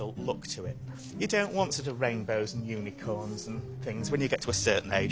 はい。